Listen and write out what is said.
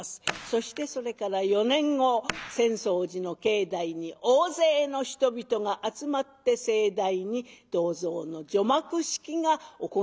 そしてそれから４年後浅草寺の境内に大勢の人々が集まって盛大に銅像の除幕式が行われたわけでございます。